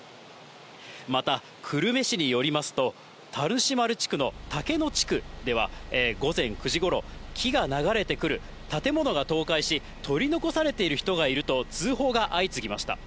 また、久留米市によりますと、田主丸地区の竹野地区では、午前９時ごろ、木が流れてくる建物が倒壊し、取り残されている人がいると通報が相次ぎました。